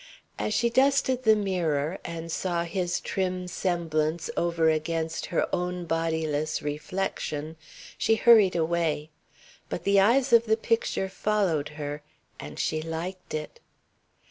As she dusted the mirror and saw his trim semblance over against her own bodiless reflection, she hurried away. But the eyes of the picture followed her, and she liked it.